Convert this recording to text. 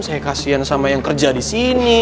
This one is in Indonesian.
saya kasian sama yang kerja di sini